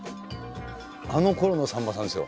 あのころのさんまさんですよ。